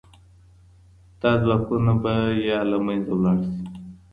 دا ځواکونه به يا له منځه ولاړ سي.